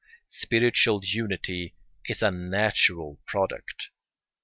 Spiritual unity is a natural product.